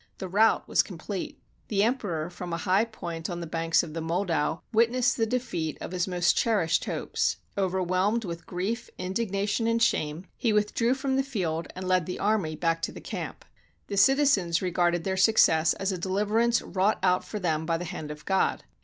The rout was complete. The Emperor, from a high point on the banks of the Moldau, witnessed the defeat of his most cherished hopes. Over whelmed with grief, indignation, and shame, he with 279 AUSTRIA HUNGARY drew from the field, and led the army back to the camp. The citizens regarded their success as a deliverance wrought out for them by the hand of God.